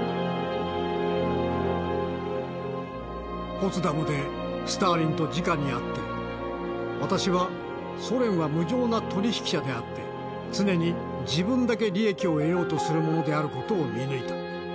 「ポツダムでスターリンとじかに会って私はソ連は無情な取引者であって常に自分だけ利益を得ようとする者である事を見抜いた。